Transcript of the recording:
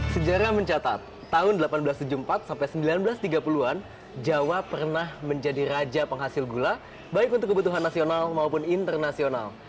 sejarah mencatat tahun seribu delapan ratus tujuh puluh empat sampai seribu sembilan ratus tiga puluh an jawa pernah menjadi raja penghasil gula baik untuk kebutuhan nasional maupun internasional